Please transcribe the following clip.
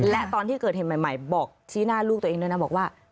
และตอนที่เกิดเหตุใหม่บอกชี้หน้าลูกตัวเองด้วยนะบอกว่า